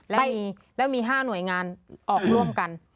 แล้วมี๕หน่วยงานออกร่วมกัน